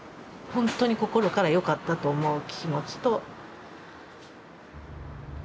ほんとに心からよかったと思う気持ちと。